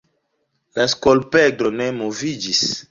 La skolopendro ne moviĝis.